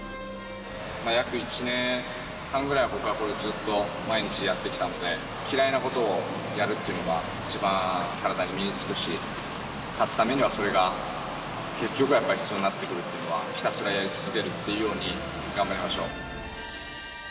約１年半ぐらい、僕はこれを毎日やってきたので、嫌いなことをやるっていうのが、一番体に身につくし、勝つためにはそれが結局はやっぱり必要になってくるというのは、ひたすらやり続けるっていうように、頑張りましょう。